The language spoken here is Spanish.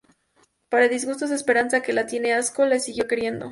Para disgusto de Esperanza que la tiene asco, la siguió queriendo.